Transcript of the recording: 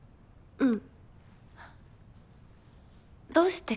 うん。